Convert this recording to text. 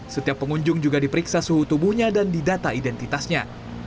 setiap pengunjung juga diperiksa suhu tubuhnya dan didata identitasnya